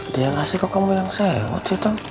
dia ngasih kok kamu bilang sewot